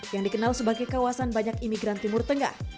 yang dikenal sebagai kawasan banyak imigran timur tengah